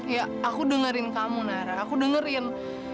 ya aku dengerin kamu nara aku dengerin